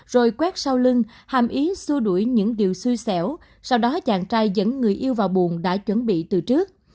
rồi quét sau lưng hàm ý xua đuổi những điều xui xẻo sau đó chàng trai dẫn người yêu vào buồn đã chuẩn bị từ trước